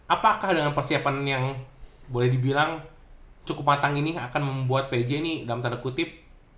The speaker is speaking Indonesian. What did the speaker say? apakah dengan persiapan yang boleh dibilang cukup matang ini akan membuat pj ini dalam tanda kutip